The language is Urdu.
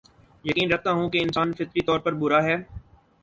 یقین رکھتا ہوں کے انسان فطری طور پر برا ہے